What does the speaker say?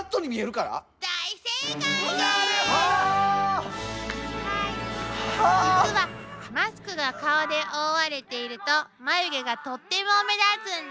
実はマスクが顔で覆われていると眉毛がとっても目立つんです。